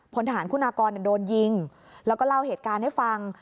พลทหารคุณากรโดนยิงแล้วก็เล่าเหตุการณ์ให้ฟัง